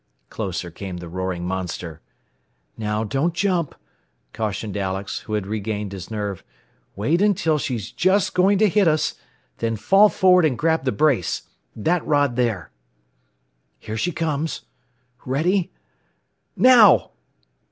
Closer came the roaring monster. "Now, don't jump," cautioned Alex, who had regained his nerve. "Wait until she is just going to hit us, then fall forward and grab the brace that rod there. "Here she comes! Ready! _Now!